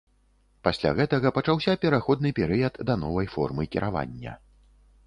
Пасля гэтага пачаўся пераходны перыяд да новай формы кіравання.